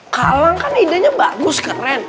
kalang kan idenya bagus keren